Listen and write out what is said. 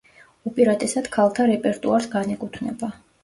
უპირატესად ქალთა რეპერტუარს განეკუთვნება.